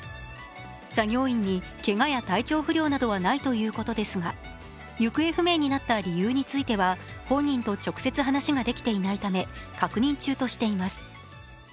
作業員にけがや体調不良などはないということですが、行方不明になった理由については、本人と直接話ができていないため確認中としています。